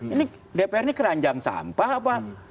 ini dpr ini keranjang sampah apa